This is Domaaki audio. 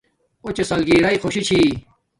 اݹ چے سلگیرݵ خوشی چھی